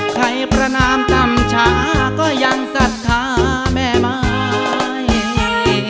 ประนามต่ำช้าก็ยังศรัทธาแม่ไม้